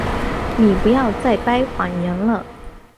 你不要再掰谎言了。